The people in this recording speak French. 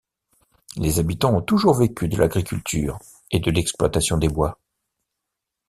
Les habitants ont toujours vécu de l’agriculture et de l’exploitation des bois.